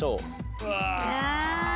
うわ。